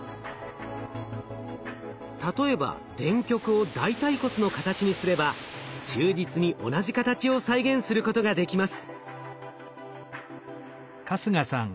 例えば電極を大腿骨の形にすれば忠実に同じ形を再現することができます。